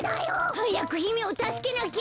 はやくひめをたすけなきゃ。